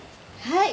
はい。